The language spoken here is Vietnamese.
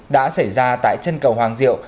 đã xảy ra tại chân cầu hoàng diệu